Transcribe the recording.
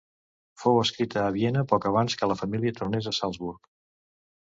Fou escrita a Viena poc abans que la família tornés a Salzburg.